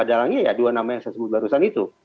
dalangnya ya dua nama yang saya sebut barusan itu